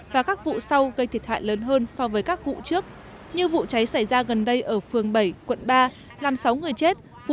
và các vụ sau đó sẽ xảy ra trong các khu dân cư khu chế xuất khu công nghiệp